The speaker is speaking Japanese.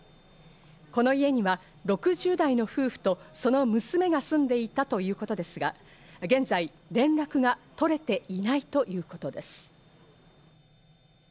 この家には６０代の夫婦と、その娘が住んでいたということですが、現在、連絡が取れていないということです。